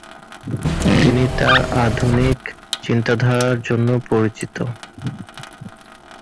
তিনি তার আধুনিক চিন্তাধারার জন্য পরিচিত।